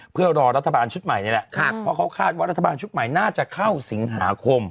เพื่อรอรัฐบาลชุดใหม่นี่แหละเพราะเขาคาดว่ารัฐบาลชุดใหม่น่าจะเข้าสิงหาคม